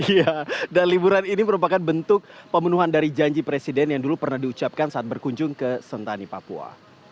iya dan liburan ini merupakan bentuk pemenuhan dari janji presiden yang dulu pernah diucapkan saat berkunjung ke sentani papua